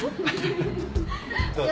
どうぞ。